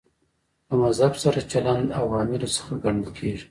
له مذهب سره چلند عواملو څخه ګڼل کېږي.